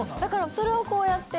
それをこうやって。